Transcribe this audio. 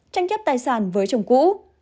tranh chấp tài sản với chồng cũ